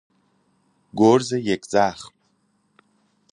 گرز یک زخم